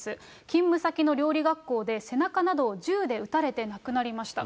勤務先の料理学校で、背中などを銃で撃たれて亡くなりました。